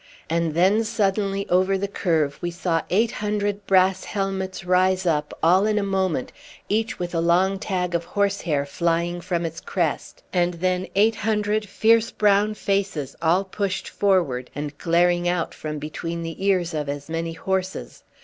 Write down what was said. And then suddenly over the curve we saw eight hundred brass helmets rise up, all in a moment, each with a long tag of horsehair flying from its crest; and then eight hundred fierce brown faces all pushed forward, and glaring out from between the ears of as many horses.